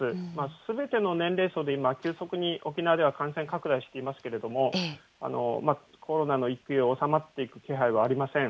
すべての年齢層で今、急速に沖縄では感染拡大していますけれども、コロナの勢いは収まっていく気配はありません。